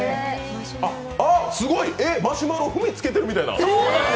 あっ、すごい、マシュマロ踏みつけてるみたいな。